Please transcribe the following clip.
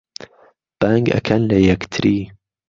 بانگ ئەکەن لە یەکتری